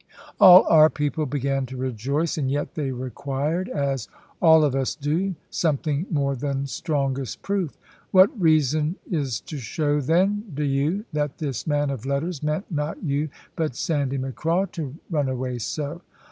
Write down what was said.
All our people began to rejoice; and yet they required, as all of us do, something more than strongest proof. "What reason is to show then, Dyo, that this man of letters meant not you, but Sandy Macraw, to run away so?"